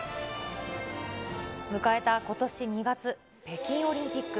迎えたことし２月、北京オリンピック。